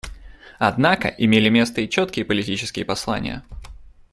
Однако имели место и четкие политические послания.